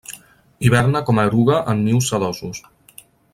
Hiberna com a eruga en nius sedosos.